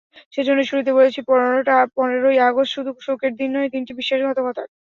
সেই জন্যই শুরুতে বলেছি, পনেরোই আগস্ট শুধু শোকের দিন নয়, দিনটি বিশ্বাসঘাতকতার।